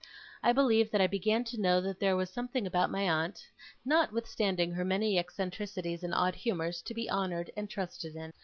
I believe that I began to know that there was something about my aunt, notwithstanding her many eccentricities and odd humours, to be honoured and trusted in.